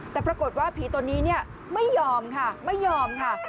แต่ปรากฏว่าผีตัวนี้ไม่ยอมค่ะไม่ยอมค่ะ